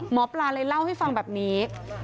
หมอปลาเลยเล่าให้ฟังแบบนี้